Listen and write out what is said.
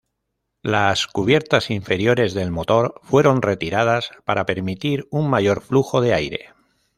Las cubiertas inferiores del motor fueron retiradas para permitir un mayor flujo de aire.